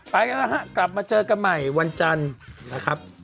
ไปแล้วฮะกลับมาเจอกันใหม่วันจันทร์นะครับ